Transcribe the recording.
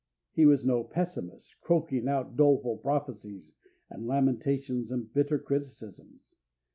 He was no pessimist, croaking out doleful prophecies and lamentations and bitter criticisms.